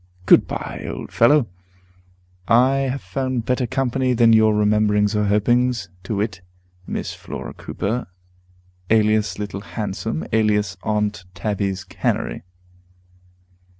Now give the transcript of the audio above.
Good by, old fellow; I have found better company than your rememberings or hopings; to wit, Miss Flora Cooper, alias Little Handsome, alias Aunt Tabby's Canary.